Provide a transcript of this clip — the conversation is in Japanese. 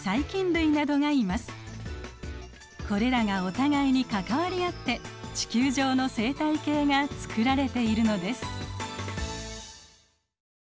これらがお互いに関わり合って地球上の生態系が作られているのです。